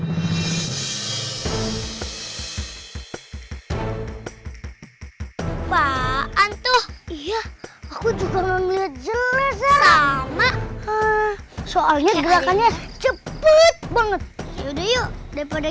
lupa antuh iya aku juga ngeliat jelas sama soalnya gerakannya cepet banget yuk daripada